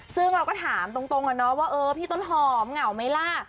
ซึ่งเราก็ถามตรงว่าเออพี่ต้นหอมเหงาไหมล่ะ